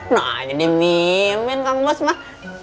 nah jadi mimin kang bos mah